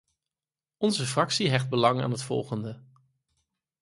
Onze fractie hecht belang aan het volgende.